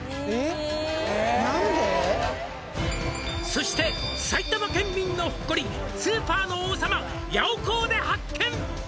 「そして埼玉県民の誇り」「スーパーの王様ヤオコーで発見」